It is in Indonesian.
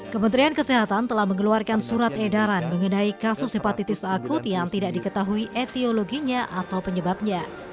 kementerian kesehatan telah mengeluarkan surat edaran mengenai kasus hepatitis akut yang tidak diketahui etiologinya atau penyebabnya